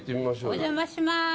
お邪魔します。